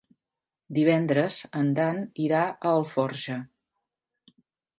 Divendres en Dan irà a Alforja.